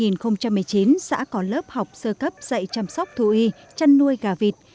năm hai nghìn một mươi chín xã có lớp học sơ cấp dạy chăm sóc thú y chăn nuôi gà vịt